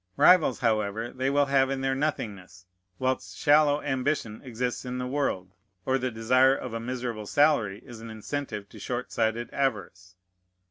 Rivals, however, they will have in their nothingness, whilst shallow ambition exists in the world, or the desire of a miserable salary is an incentive to short sighted avarice.